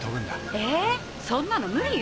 えぇ⁉そんなの無理よ！